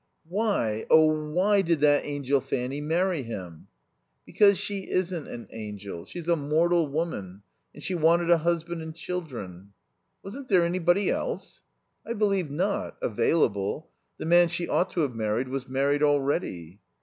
"Why, oh why, did that angel Fanny marry him?" "Because she isn't an angel. She's a mortal woman and she wanted a husband and children." "Wasn't there anybody else?" "I believe not available. The man she ought to have married was married already."